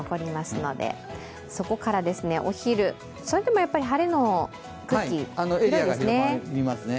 そこからお昼、それでもやっぱり晴れの区域広いですね。